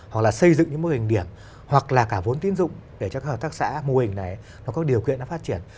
hoặc là xây dựng những mô hình điểm hoặc là cả vốn tiến dụng để cho các hợp tác xã mô hình này nó có điều kiện nó phát triển